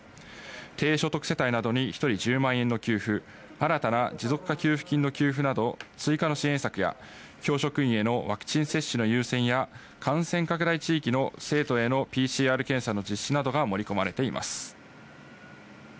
低所得世帯などに１人１０万円の給付、新たな持続化給付金の給付など追加の支援策や教職員へのワクチン接種の優先や感染拡大地域の生徒へのＰＣＲ検査の実施などが盛り込まれています。